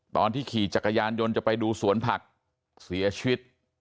ตอนที่ขี่จักรยานยนต์จะไปดูสวนผักเสียชีวิต